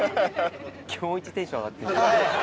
今日いちテンション上がってる。